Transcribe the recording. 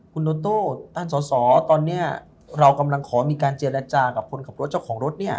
คุณโดโต้ท่านสอสอตอนนี้เรากำลังขอมีการเจรจากับคนขับรถเจ้าของรถเนี่ย